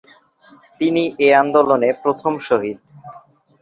তিনি এ আন্দোলনের প্রথম শহীদ।